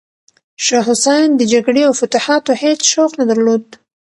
شاه حسین د جګړې او فتوحاتو هیڅ شوق نه درلود.